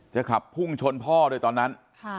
ขับพุ่งชนพ่อเลยตอนนั้น